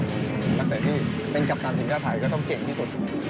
ตั้งแต่ที่เป็นกัปตันสินค้าไทยก็ต้องเก่งที่สุด